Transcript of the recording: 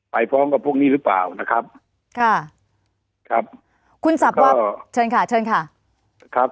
ไปพร้อมกับพวกนี้หรือเปล่านะครับ